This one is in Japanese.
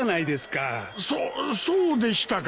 そそうでしたかな。